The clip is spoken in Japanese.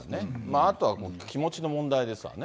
あとは気持ちの問題ですわね。